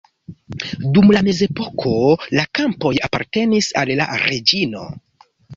Dum la mezepoko la kampoj apartenis al la reĝino.